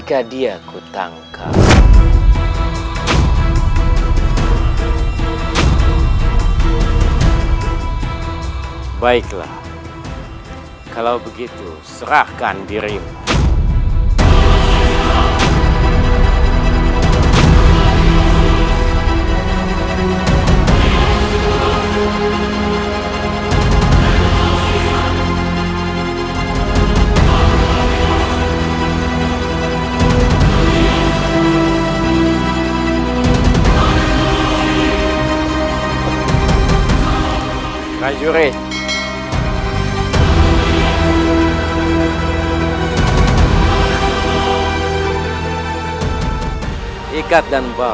kau ingin aku melepaskan keponakan keluarga dana